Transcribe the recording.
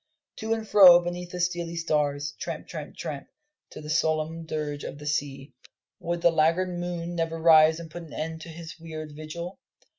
To and fro beneath the steely stars tramp, tramp, tramp, to the solemn dirge of the sea. Would the laggard moon never rise and put an end to his weird vigil?